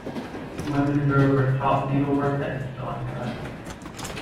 Women and girls were taught needlework at the sewing classes.